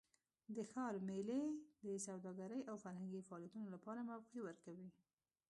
د ښار میلې د سوداګرۍ او فرهنګي فعالیتونو لپاره موقع ورکوي.